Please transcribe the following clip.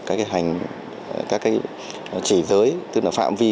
các hành các chỉ giới tức là phạm vi